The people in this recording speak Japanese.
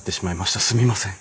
すみません。